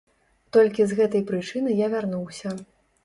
Толькі з гэтай прычыны я вярнуўся.